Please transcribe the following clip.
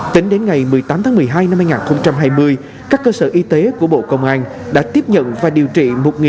tính đến ngày một mươi tám tháng một mươi hai năm hai nghìn hai mươi các cơ sở y tế của bộ công an đã tiếp nhận và điều trị